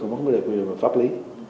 không có quyền pháp lý